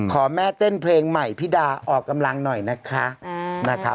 ขอแม่เต้นเพลงใหม่พี่ดาออกกำลังหน่อยนะคะ